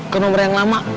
ke nomor yang lama